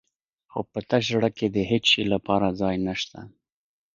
خو په تش زړه کې د هېڅ شي لپاره ځای نه شته.